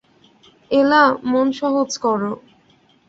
এলা, মন সহজ করো।